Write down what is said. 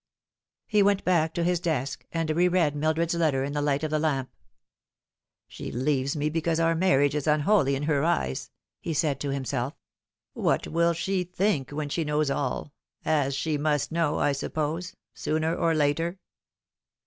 He went back to his desk, and re read Mildred's letter in the light of the lamp. " She leaves me because our marriage is unholy in her eyes," he said to himself. " What will she think when she knows all as she must know, I suppose, sooner or later